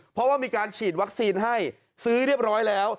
เพราะว่ามีการฉีดวัคซีนให้ซื้อเรียบร้อยแล้ว